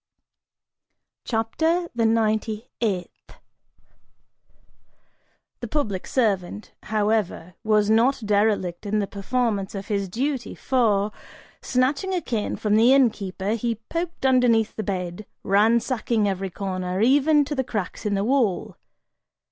CHAPTER THE NINETY EIGHTH. The public servant, however, was not derelict in the performance of his duty for, snatching a cane from the innkeeper, he poked underneath the bed, ransacking every corner, even to the cracks in the wall.